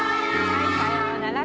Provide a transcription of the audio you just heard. はいさようなら。